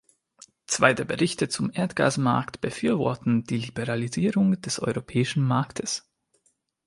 Zwei der Berichte zum Erdgasmarkt befürworten die Liberalisierung des europäischen Marktes.